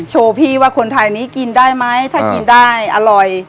พี่ว่าคนไทยนี้กินได้ไหมถ้ากินได้อร่อย